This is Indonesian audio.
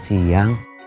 kok datangnya siang